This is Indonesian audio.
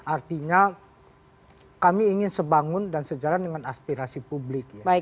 artinya kami ingin sebangun dan sejalan dengan aspirasi publik